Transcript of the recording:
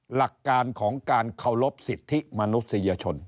หลักการของการเคารพสิทธิมนุษยชน